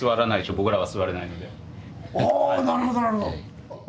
あなるほどなるほど。